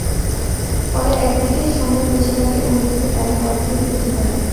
ফলে একদিকে সময় বেশি লাগে, অন্যদিকে ব্যয় কয়েক গুণ বৃদ্ধি পায়।